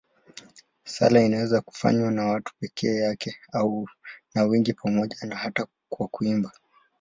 Sala inaweza kufanywa na mtu peke yake au na wengi pamoja, hata kwa kuimba.